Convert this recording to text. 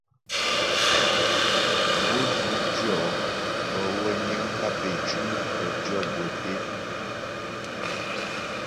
Mo dzʉtʉɔ bə́ wə niŋ kap é cʉm khətʉɔ̌ gwə́ té.